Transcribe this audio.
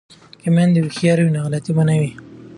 که میندې هوښیارې وي نو غلطي به نه وي.